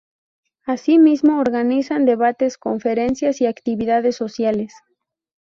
Asimismo organizan debates, conferencias y actividades sociales.